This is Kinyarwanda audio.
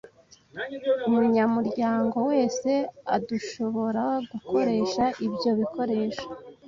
Umunyamuryango wese ardushoboragukoresha ibyo bikoresho.